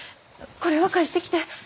これは返してきて。